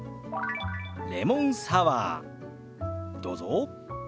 「レモンサワー」どうぞ。